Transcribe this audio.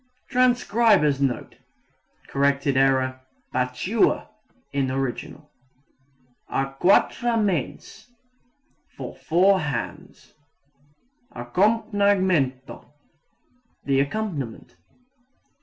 [Transcriber's Note: Corrected error "battua" in original.] À quatre mains for four hands. Accompagnamento the accompaniment.